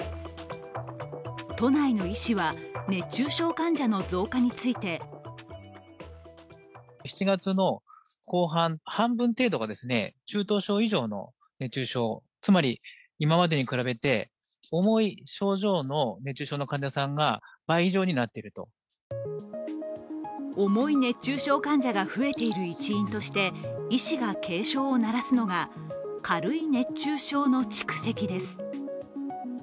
都内の医師は熱中症患者の増加について重い熱中症患者が増えている一因として医師が警鐘を鳴らすのが軽い熱中症の蓄積です。